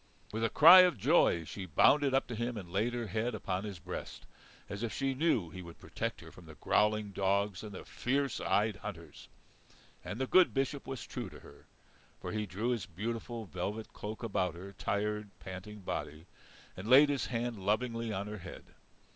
With a cry of joy she bounded up to him and laid her head upon his breast, as if she knew he would protect her from the growling dogs and the fierce eyed hunters. And the good Bishop was true to her. For he drew his beautiful velvet cloak about her tired, panting body, and laid his hand lovingly on her head.